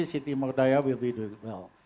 siti nurdaya will be doing well